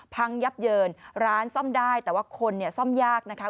พังยับเยินร้านซ่อมได้แต่ว่าคนเนี่ยซ่อมยากนะคะ